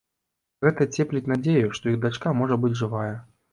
Гэта цепліць надзею, што іх дачка можа быць жывая.